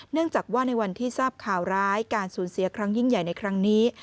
เนื่องจากว่าในวันที่ทราบข่าวร้ายการสูญเสียครั้งยิ่งใหญ่ในครั้งนี้